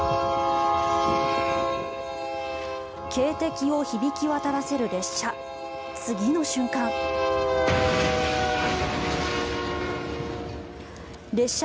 警笛を響き渡らせる列車。